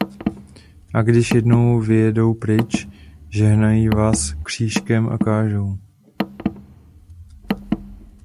A když jednou vyjedou pryč, žehnají vás křížkem a kážou.